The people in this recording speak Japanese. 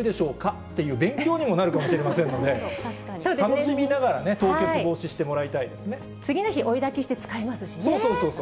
っていう勉強にもなるかもしれませんので、楽しみながらね、凍結防止しても次の日、そうそうそう。